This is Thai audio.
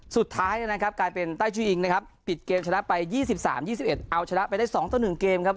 สุดท้ายนะครับกลายเป็นใต้ชื่ออิงนะครับปิดเกมชนะไป๒๓๒๑เอาชนะไปได้๒ต่อ๑เกมครับ